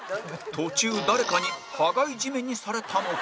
途中、誰かに羽交い絞めにされたのか？